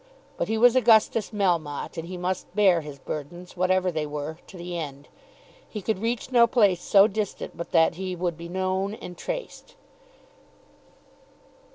But he was Augustus Melmotte, and he must bear his burdens, whatever they were, to the end. He could reach no place so distant but that he would be known and traced.